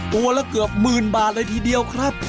ตัวละเกือบหมื่นบาทเลยทีเดียวครับ